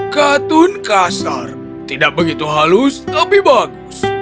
katun kasar tidak begitu halus tapi bagus